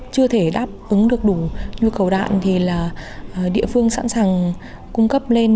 chưa thể đáp ứng được đủ nhu cầu đạn thì là địa phương sẵn sàng cung cấp lên